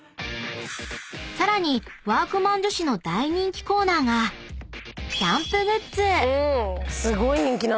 ［さらに＃ワークマン女子の大人気コーナーがキャンプグッズ］